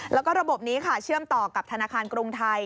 แล้วก็ระบบนี้ค่ะเชื่อมต่อกับธนาคารกรุงไทย